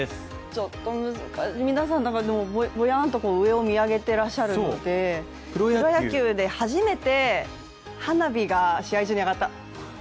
ちょっと難しい皆さん、ボヤンと上を見上げていらっしゃるのでプロ野球で初めて、花火が試合中に上がった！